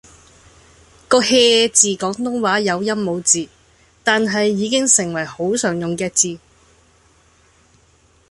個 hea 字廣東話有音無字，但係已經成為好常用嘅字